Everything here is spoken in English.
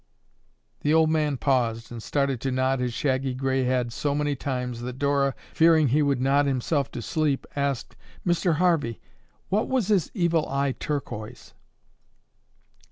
'" The old man paused and started to nod his shaggy gray head so many times that Dora, fearing he would nod himself to sleep, asked, "Mr. Harvey, what was his Evil Eye Turquoise?"